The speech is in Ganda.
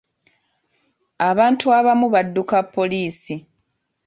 Abantu abamu badduka poliisi.